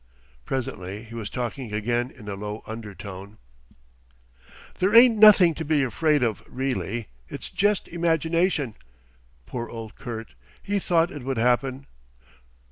Presently he was talking again in a low undertone. "There ain't nothing to be afraid of reely. It's jest imagination. Poor old Kurt he thought it would happen.